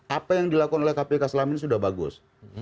apa yang dilakukan oleh kpk selama ini sudah bagus